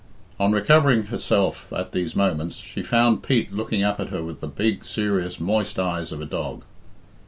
On recovering herself at these moments, she found Pete looking up at her with the big, serious, moist eyes of a dog.